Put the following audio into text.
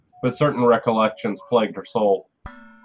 But certain recollections plagued her soul.